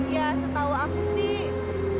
ya setahu aku sih